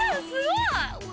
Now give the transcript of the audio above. すごい！